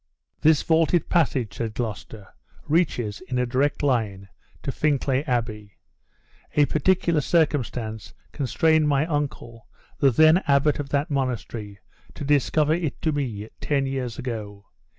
"This vaulted passage," said Gloucester, "reaches, in a direct line, to Fincklay Abbey. A particular circumstance constrained my uncle, the then abbot of that monastery, to discover it to me, ten years ago.